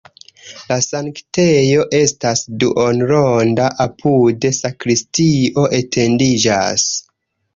La sanktejo estas duonronda, apude sakristio etendiĝas.